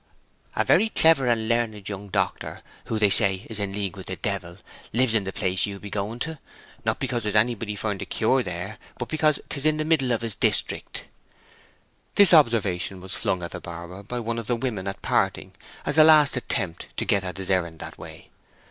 "A very clever and learned young doctor, who, they say, is in league with the devil, lives in the place you be going to—not because there's anybody for'n to cure there, but because 'tis the middle of his district." The observation was flung at the barber by one of the women at parting, as a last attempt to get at his errand that way.